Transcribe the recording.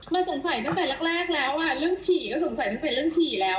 มันสงสัยตั้งแต่แรกแล้วเรื่องฉี่ก็สงสัยตั้งแต่เรื่องฉี่แล้ว